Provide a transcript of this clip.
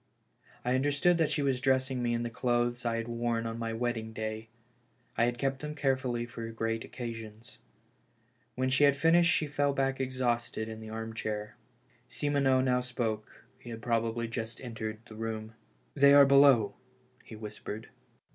I understood that she was dressing me in the clothes I had worn on my wedding day. I had kept them care fully for great occasions. When she had finished she fell back exhausted in the arm chair. Simoneau now spoke; he had probably just entered the room. THE FUNERAL. 259 " They are below," he whispered.